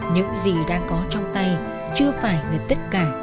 những gì đang có trong tay chưa phải là tất cả